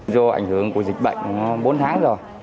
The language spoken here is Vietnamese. do ảnh hưởng của dịch bệnh bốn tháng rồi